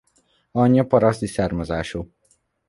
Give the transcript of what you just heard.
Anyja paraszti származású.